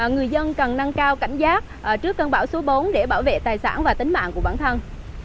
người dân cần nâng cao cảnh giác trước cơn bão số bốn để bảo vệ tài sản và tính mạng của bản thân